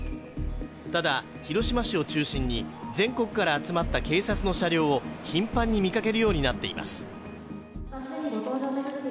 ただ、広島市を中心に全国から集まった警察の車両を頻繁に見かけるようになっています。